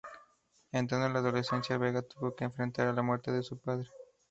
Entrando en la adolescencia Vega tuvo que enfrentar la muerte de su padre.